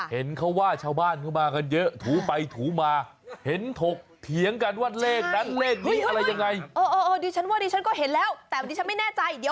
เป็นเลขสามครับเป็นเลขสี่นะครับเป็นเลขสองเลขเจ็ดเลขสี่